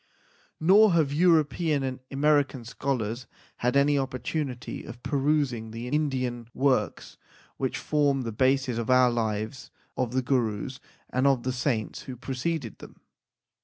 Nor have European and American scholars had an opportunity of perusing the Indian works which form the basis of our lives of the Gurus and of the saints who preceded them.